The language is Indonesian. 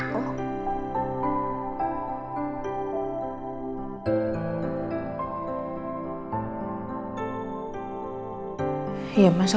kau mau dateng pak